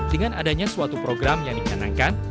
dengan adanya suatu program yang dicanangkan